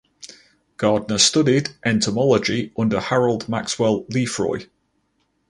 Gardner studied entomology under Harold Maxwell Lefroy.